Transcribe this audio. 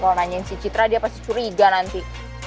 kalau nanyain si citra dia pasti curiga nanti